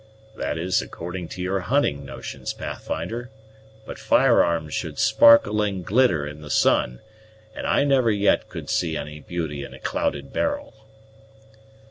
"That is according to your hunting notions, Pathfinder; but firearms should sparkle and glitter in the sun, and I never yet could see any beauty in a clouded barrel."